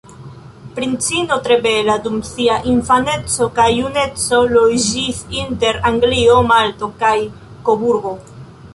Princino tre bela, dum sia infaneco kaj juneco loĝis inter Anglio, Malto kaj Koburgo.